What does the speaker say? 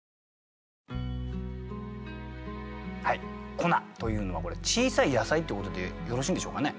「小菜」というのはこれ小さい野菜ってことでよろしいんでしょうかね？